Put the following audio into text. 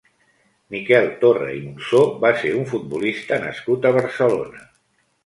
Miquel Torra i Monsó va ser un futbolista nascut a Barcelona.